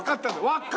輪っか！